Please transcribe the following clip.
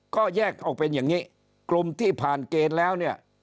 ก็แยกออกเป็นอย่างนี้กลุ่มที่ผ่านเกณฑ์แล้วเนี่ย